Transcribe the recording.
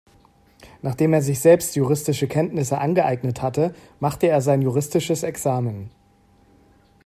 Nachdem er sich selbst juristische Kenntnisse angeeignet hatte, machte er sein juristisches Examen.